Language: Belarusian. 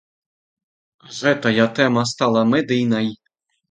Гэтая тэма стала медыйнай.